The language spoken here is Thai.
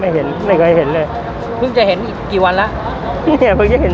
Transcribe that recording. เห็นไม่เคยเห็นเลยเพิ่งจะเห็นอีกกี่วันแล้วเนี่ยเพิ่งจะเห็น